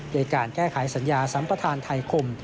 โดยการแก้ไขสัญญาสัมประธานไทยคม